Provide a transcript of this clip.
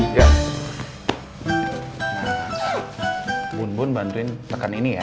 bun bun bantuin teken ini ya